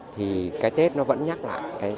thì cái tết nó vẫn nhắc lại